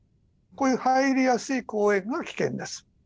こういう入りやすい公園が危険です。